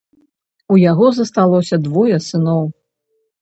У яго засталося двое сыноў.